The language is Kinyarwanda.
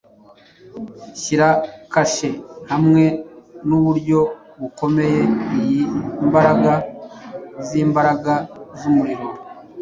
Shyira kashe hamwe nuburyo bukomeye iyi mbaraga zimbaraga zumuriro.